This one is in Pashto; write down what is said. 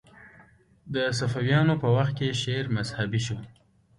د صفویانو په وخت کې شعر مذهبي شو